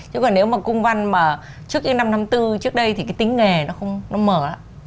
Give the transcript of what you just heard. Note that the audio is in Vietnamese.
chứ còn nếu mà cung văn mà trước những năm năm mươi bốn trước đây thì cái tính nghề nó không nó mở lắm